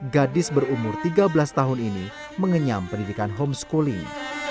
gadis berumur tiga belas tahun ini mengenyam pendidikan homeschooling